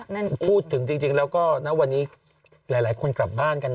พูดถึงจริงแล้วก็ณวันนี้หลายคนกลับบ้านกันนะ